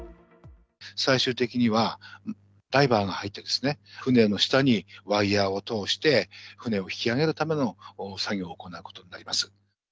最終的には、ダイバーが入って、船の下にワイヤーを通して、船を引き揚げるための作業を行うことになります。